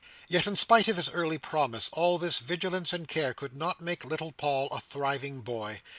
Yet, in spite of his early promise, all this vigilance and care could not make little Paul a thriving boy.